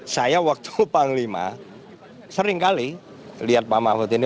saya waktu panglima seringkali lihat pak mahfud ini